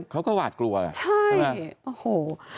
เขาก็หวาดกลัวไงใช่ใช่ไหมโอ้โห